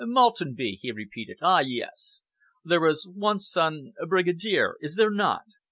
"Maltenby," he repeated. "Ah, yes! There is one son a Brigadier, is there not?